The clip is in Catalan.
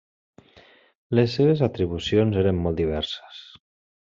Les seves atribucions eren molt diverses.